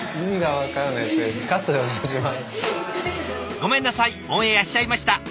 ごめんなさいオンエアしちゃいました。